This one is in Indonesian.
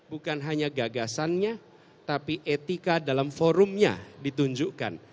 bukan hanya gagasannya tapi etika dalam forumnya ditunjukkan